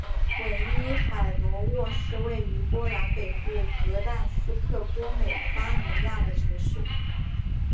韦伊海罗沃是位于波兰北部格但斯克波美拉尼亚的城市。